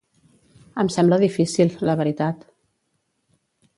Em sembla difícil, la veritat.